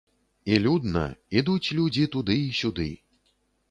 І людна, ідуць людзі туды і сюды.